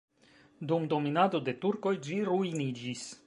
Dum dominado de turkoj ĝi ruiniĝis.